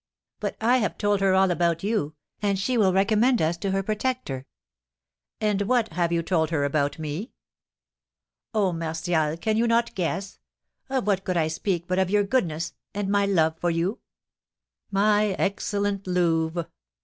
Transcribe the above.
"But I have told her all about you, and she will recommend us to her protector." "And what have you told her about me?" "Oh, Martial, can you not guess? Of what could I speak but of your goodness and my love for you?" "My excellent Louve!"